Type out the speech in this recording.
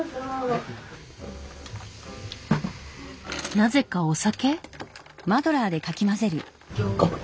なぜかお酒？